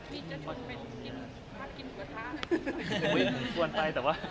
มีเจ้าชูเป็นห้าดกินอุปกรณ์ท่าอะไรอย่างนี้ครับ